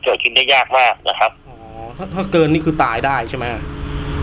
ก็ขึ้นมาอ่ะครับถ้าเกินนี่หรือตายได้ใช่ไหม